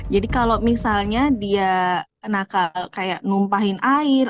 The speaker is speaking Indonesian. jadi kalau misalnya dia nakal kayak numpahin air